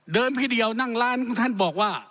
พี่เดียวนั่งร้านของท่านบอกว่า